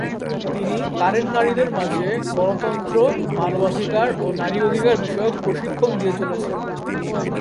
তিনি কারেন নারীদের মাঝে গণতন্ত্র, মানবাধিকার ও নারী অধিকার বিষয়ক প্রশিক্ষণ দিয়ে চলেছেন।